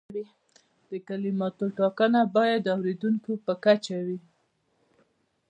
د کلماتو ټاکنه باید د اوریدونکي په کچه وي.